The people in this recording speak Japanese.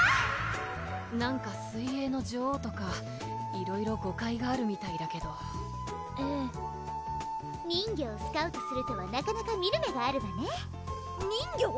なんか水泳の女王とかいろいろ誤解があるみたいだけどええ人魚をスカウトするとはなかなか見る目があるわね人魚？